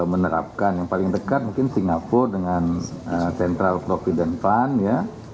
menerapkan yang paling dekat mungkin singapura dengan central providen fund ya